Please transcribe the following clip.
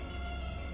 pergi ke sana